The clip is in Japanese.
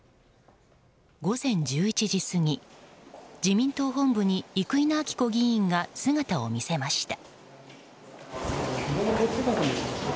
午前１１時過ぎ自民党本部に生稲晃子議員が姿を見せました。